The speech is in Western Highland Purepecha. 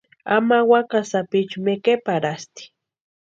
Ama wakasï sapichu mekeparhasti.